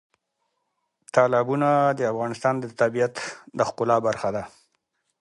تالابونه د افغانستان د طبیعت د ښکلا برخه ده.